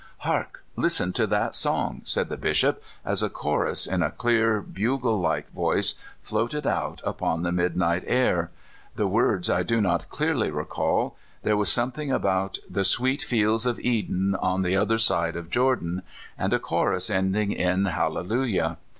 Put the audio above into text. "Hark! listen to that song," said the Bishop, as a chorus, in a clear, bugle like voice, floated out upon the midnight air. The words I do not clearly recall ; there was something about The sweet fields of Eden, On the other side of Jordan, and a chorus ending in "hallelujah."